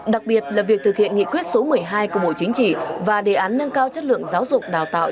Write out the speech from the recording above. đặc biệt là việc thực hiện nghị quyết số một mươi hai của bộ chính trị và đề án nâng cao chất lượng giáo dục đào tạo